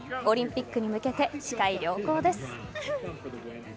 オリンピックに向けて視界良好です。